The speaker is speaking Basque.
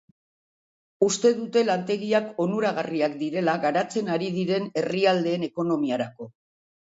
Uste dute lantegiak onuragarriak direla garatzen ari diren herrialdeen ekonomiarako.